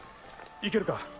いけるか？